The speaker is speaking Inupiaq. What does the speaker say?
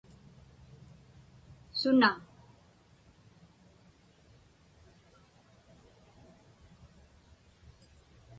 suna